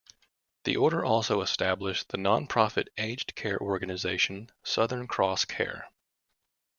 The order also established the non-profit aged care organization, Southern Cross Care.